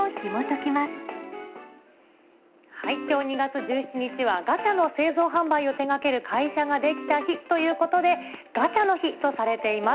きょう２月１７日には、ガチャの製造・販売を手がける会社が出来た日ということで、ガチャの日とされています。